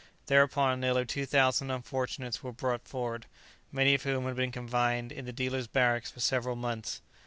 Thereupon nearly two thousand unfortunates were brought forward, many of whom had been confined in the dealer's barracks for several months.